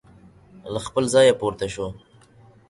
له خپل ځایه پورته شو.